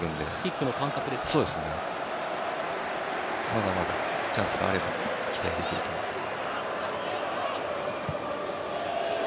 まだまだチャンスがあれば期待できると思います。